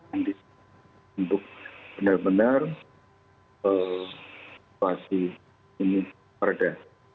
untuk benar benar situasi ini berada